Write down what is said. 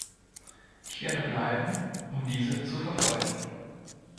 Ich werde bleiben, um diese zu verfolgen.